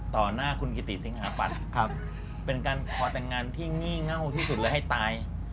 หน้าคุณกิติสิงหาปัตย์เป็นการขอแต่งงานที่งี่เง่าที่สุดเลยให้ตาย